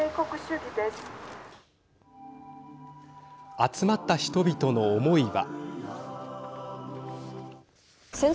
集まった人々の思いは。